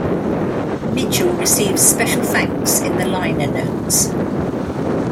Mitchell receives special thanks in the liner notes.